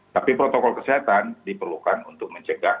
tapi protokol kesehatan diperlukan untuk mencegah